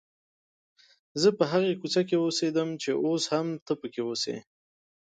زه په هغې کوڅې کې اوسېدم چې اوس هم ته پکې اوسې.